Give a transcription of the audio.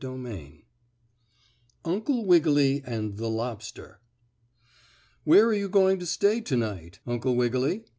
STORY VII UNCLE WIGGILY AND THE LOBSTER "Where are you going to stay to night, Uncle Wiggily?"